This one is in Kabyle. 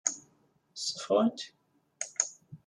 Ssuffɣen-k?